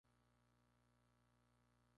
Fue precedida por "Bull.